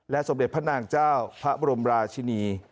สมเด็จพระนางเจ้าพระบรมราชินี